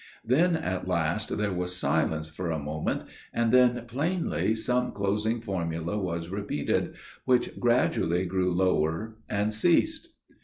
Then at last there was silence for a moment, and then plainly some closing formula was repeated, which gradually grew lower and ceased.